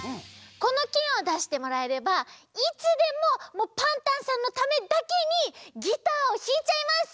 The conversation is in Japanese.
このけんをだしてもらえればいつでもパンタンさんのためだけにギターをひいちゃいます。